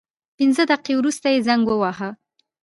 پنځه دقیقې وروسته یې زنګ وواهه.